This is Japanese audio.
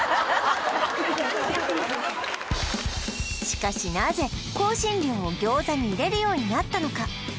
しかしなぜ香辛料を餃子に入れるようになったのか？